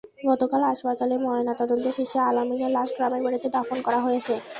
গতকাল হাসপাতালে ময়নাতদন্ত শেষে আল-আমিনের লাশ গ্রামের বাড়িতে দাফন করা হয়েছে।